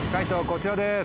こちらです。